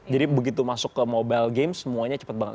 jadi begitu masuk ke mobile game semuanya cepet banget